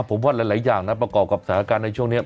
ผมว่าหลายอย่างนะประกอบกับสถานการณ์ในช่วงนี้